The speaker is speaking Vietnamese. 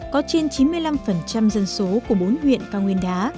có trên chín mươi năm dân số của bốn huyện cao nguyên đá